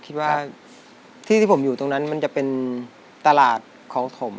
คิดว่าที่ที่ผมอยู่ตรงนั้นมันจะเป็นตลาดของถม